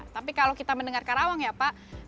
tapi kalau kita mendengar karawang ya pak